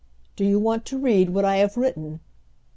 "Do you want to read what I have written?"